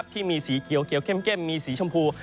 ที่มีสีเขียวเข้มมีสีชมพู